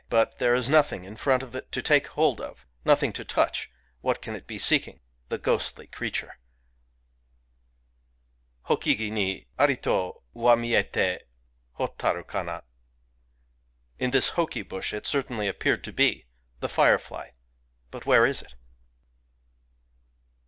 but there is nothing in front of it to take hold of [nothing to touch : what can it be seek X ing — the ghostly creature ?]. H6ki gi ni Ari to wa miyetc, Hotaru kana! In this hoki bush it certainly appeared to be, — the fire fly ![ but where is it